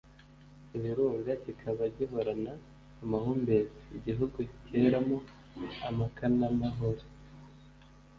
ibirunga kikaba gihorana amahumbezi. igihugu keramo amakan'amahore